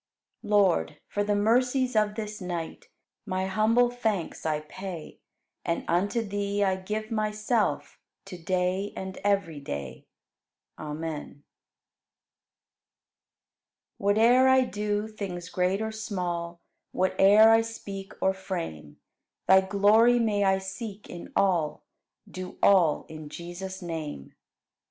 16. Lord, for the mercies of this night My humble thanks I pay And unto Thee I give myself To day and every day. Amen. 17. Whate'er I do, things great or small Whate'er I speak or frame. Thy glory may I seek in all, Do all in Jesus' name.